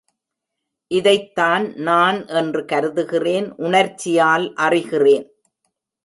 இதைத்தான் நான் என்று கருதுகிறேன் உணர்ச்சியால் அறிகிறேன்.